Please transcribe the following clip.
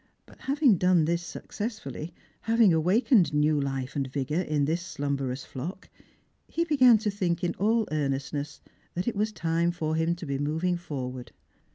But having done this successfully, having awakened new life and vigour in this slumberous fioclii he began to think in all earnestness that it was time for him to be moving forward.